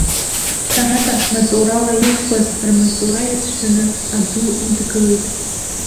Ҳәарада, маҵурала иӷәӷәаз, рмаҵура иацәшәаны аду идгылеит.